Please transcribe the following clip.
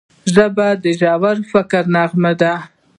ژبه د ژور فکر نغمه ده